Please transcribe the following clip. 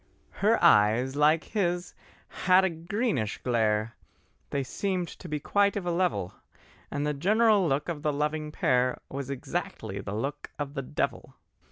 Her eyes, like his, had a greenish glare, They seemed to be quite of a level, And the general look of the loving pair Was exactly the look of the devil.